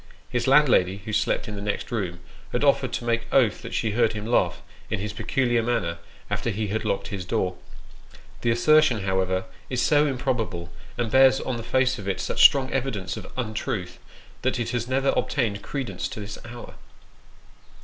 His landlady, who slept in the next room, has offered to make oath that she heard him laugh, in his peculiar manner, after he had locked his door. The assertion, however, is so improb able, and bears on the face of it such strong evidence of untruth, that it has never obtained credence to this hour.